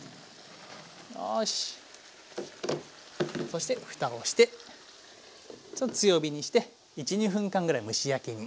そしてふたをしてちょっと強火にして１２分間ぐらい蒸し焼きに。